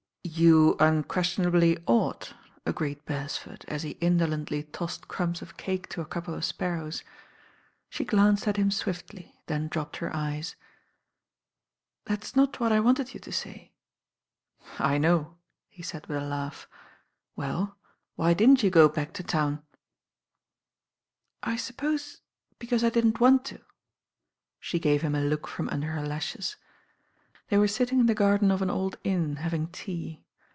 "You iir luestionably ought," agreed Beresford, as he indolently tossed crumbs of cake to a couple of sparrows. She glanced at him swiftly, then dropped her eyes. "That's not what I wanted you to say." "I know," he said with a laugh. "WeU, why didn't you go back to town?" "I suppose because I didn't want to." She gave him a look from under her lashes. They were sitting in the garden of an old inn having tea.